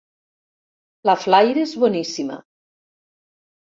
La flaire és boníssima.